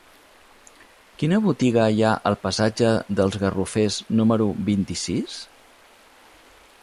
Quina botiga hi ha al passatge dels Garrofers número vint-i-sis?